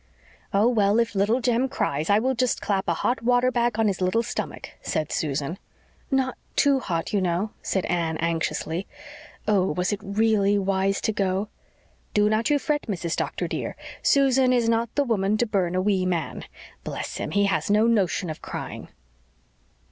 "Oh, well, if Little Jem cries, I will just clap a hot water bag on his little stomach," said Susan. "Not too hot, you know," said Anne anxiously. Oh, was it really wise to go? "Do not you fret, Mrs. Doctor, dear. Susan is not the woman to burn a wee man. Bless him, he has no notion of crying."